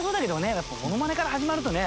やっぱモノマネから始まるとね